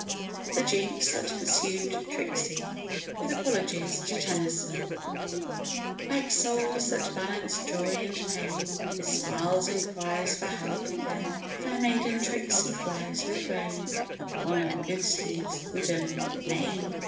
THE JINX THAT PURSUED TRIXIE (With apologies to Tennyson) Like souls that balance joy and pain, With smiles and cries for help again, Fair maiden Trixie flies with rein Upon her good steed's wooden mane.